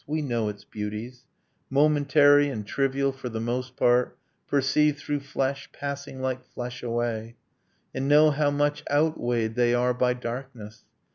We know its beauties, Momentary and trivial for the most part, Perceived through flesh, passing like flesh away, And know how much outweighed they are by darkness.